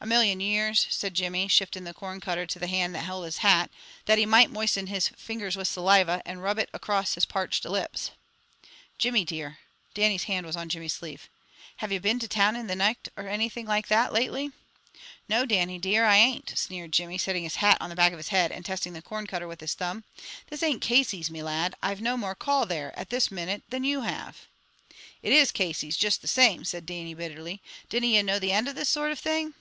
"A million years," said Jimmy, shifting the corn cutter to the hand that held his hat, that he might moisten his fingers with saliva and rub it across his parched lips. "Jimmy, dear," Dannie's hand was on Jimmy's sleeve. "Have ye been to town in the nicht, or anything like that lately?" "No, Dannie, dear, I ain't," sneered Jimmy, setting his hat on the back of his head and testing the corn cutter with his thumb. "This ain't Casey's, me lad. I've no more call there, at this minute, than you have." "It is Casey's, juist the same," said Dannie bitterly. "Dinna ye know the end of this sort of thing?"